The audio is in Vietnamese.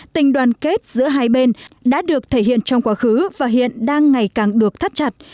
tình đoàn kết giữa hai bên đã được thể hiện trong quá khứ và hiện đang ngày càng được thắt chặt